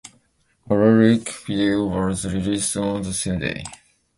A lyric video was released on the same day.